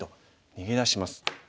逃げ出します。